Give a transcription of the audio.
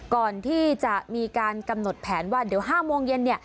ก่อนที่จะมีการกำหนดแผนว่าเดี๋ยว๕โมงเย็นเนี่ย